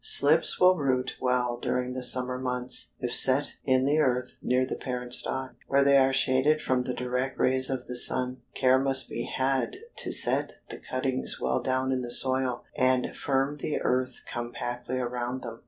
Slips will root well during the summer months, if set in the earth near the parent stock, where they are shaded from the direct rays of the sun. Care must be had to set the cuttings well down in the soil, and firm the earth compactly around them.